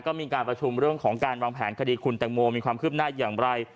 ก็มีการประชุมเรื่องของการวางแผนคดีคุณแตงโมมีความคืบหน้าอย่างไร